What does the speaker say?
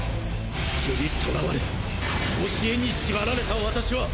血に捉われ教えに縛られた私は！